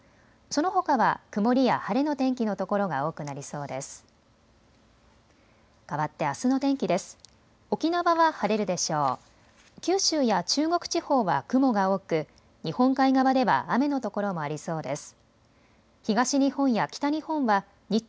そのほかは曇りや晴れの天気の所が多くなりそうです。